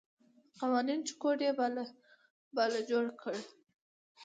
قوانین چې کوډ یې باله جوړ کړي.